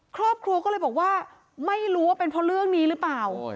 ครอบครัวก็เลยบอกว่าไม่รู้ว่าเป็นเพราะเรื่องนี้หรือเปล่า